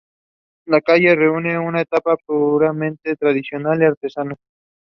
She has also appeared in three international matches for Hong Kong.